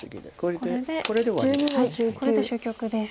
これで終局です。